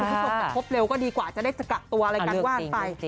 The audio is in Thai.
เพราะว่าพบเร็วก็ดีกว่าจะได้สกัดตัวอะไรกันว่านไป